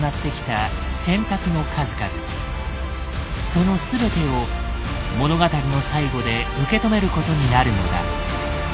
その全てを物語の最後で受け止めることになるのだ。